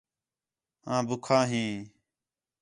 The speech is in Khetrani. آں ٻُکّھا ہیں